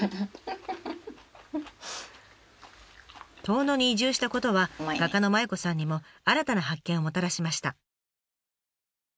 遠野に移住したことは画家の麻衣子さんにも新たな発見をもたらしました。